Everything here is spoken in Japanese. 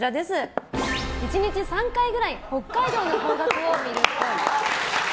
１日３回くらい北海道の方角を見るっぽい。